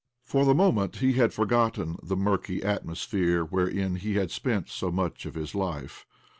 For the momjent he had forgotten the murky atmosphere wherein he had spient so much of his life.